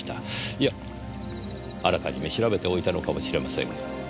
いやあらかじめ調べておいたのかもしれませんが。